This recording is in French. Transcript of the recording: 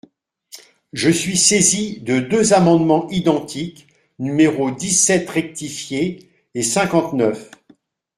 Je suis saisi de deux amendements identiques, numéros dix-sept rectifié et cinquante-neuf.